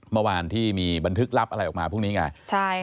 เมื่อวานที่มีบันทึกลับอะไรออกมาพรุ่งนี้ไง